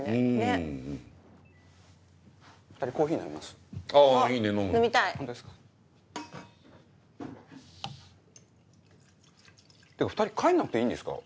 ってか２人帰んなくていいんですか？